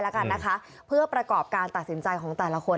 แล้วกันนะคะเพื่อประกอบการตัดสินใจของแต่ละคน